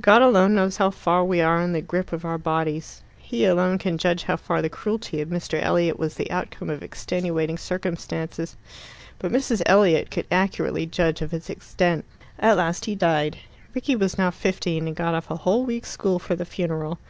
God alone knows how far we are in the grip of our bodies. He alone can judge how far the cruelty of Mr. Elliot was the outcome of extenuating circumstances. But Mrs. Elliot could accurately judge of its extent. At last he died. Rickie was now fifteen, and got off a whole week's school for the funeral.